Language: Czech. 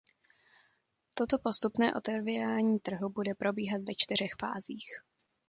Toto postupné otevírání trhu bude probíhat ve čtyřech fázích.